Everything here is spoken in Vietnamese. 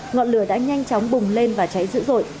ngọn lửa đã nhanh chóng bùng lên và cháy dữ dội